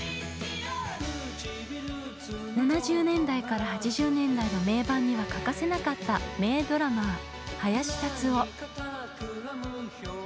７０年代から８０年代の名盤には欠かせなかった名ドラマー林立夫。